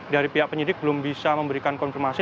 dari pihak penyidik belum bisa memberikan konfirmasi